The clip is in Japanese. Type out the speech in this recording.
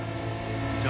こんにちは。